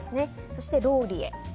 そしてローリエ。